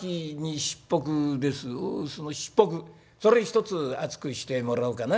「そのしっぽくそれ一つ熱くしてもらおうかな。